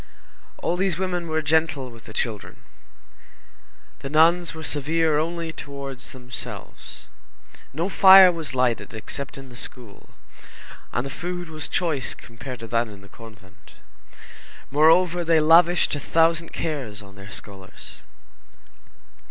All these women were gentle with the children. The nuns were severe only towards themselves. No fire was lighted except in the school, and the food was choice compared to that in the convent. Moreover, they lavished a thousand cares on their scholars.